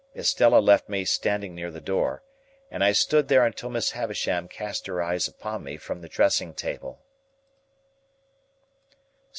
Estella left me standing near the door, and I stood there until Miss Havisham cast her eyes upon me from the dressing table.